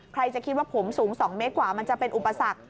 ใครจะคิดว่าผมสูง๒เมตรกว่ามันจะเป็นอุปสรรค